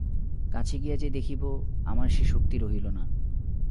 কাছে গিয়া যে দেখিব আমার সে শক্তি রহিল না।